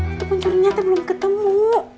itu pun curinya teh belum ketemu